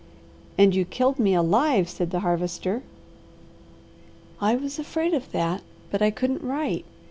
"And you killed me alive," said the Harvester. "I was afraid of that, but I couldn't write.